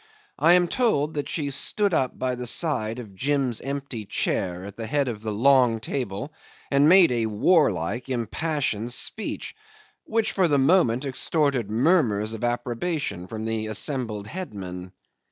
I am told that she stood up by the side of Jim's empty chair at the head of the long table and made a warlike impassioned speech, which for the moment extorted murmurs of approbation from the assembled headmen.